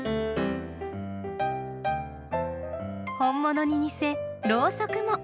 本物に似せろうそくも！